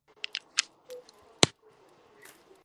耶姆古姆是德国下萨克森州的一个市镇。